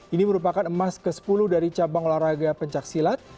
ini merupakan emas ke sepuluh dari cabang olahraga pencaksilat